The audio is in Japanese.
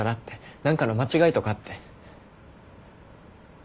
何かの間違いとかって。